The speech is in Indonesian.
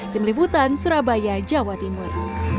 tim liputan surabaya jawa timur